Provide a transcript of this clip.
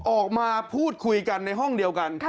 ออกมาพูดคุยกันในห้องเดียวกัน